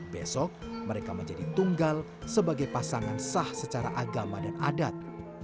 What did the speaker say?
besok mereka menjadi tunggal sebagai pasangan sah secara agama dan adat